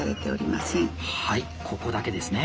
はいここだけですね。